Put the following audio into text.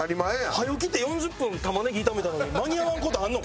早う来て４０分玉ねぎ炒めたのに間に合わん事あるの？